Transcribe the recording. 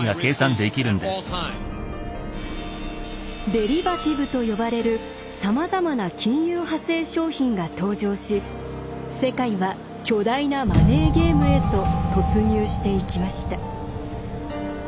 「デリバティブ」と呼ばれるさまざまな金融派生商品が登場し世界は巨大なマネーゲームへと突入していきました。